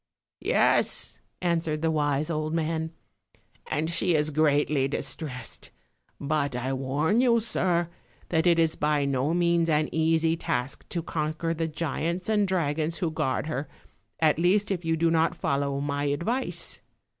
" Yes, "answered the wise old man; "and she is greatly distressed; but I warn you, sir, that it is by no means an easy task to conquer the giants and dragons who guard her, at least if you do not follow my advice.